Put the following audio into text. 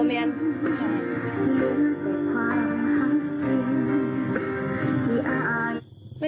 นี่มันเป็นฝืนเหรอโมเมนโมเมน